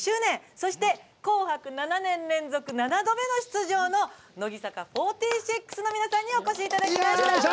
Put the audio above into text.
そして、「紅白」７年連続７度目の出場の乃木坂４６の皆さんにお越しいただきました。